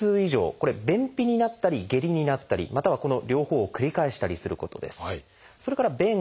これは便秘になったり下痢になったりまたはこの両方を繰り返したりすることです。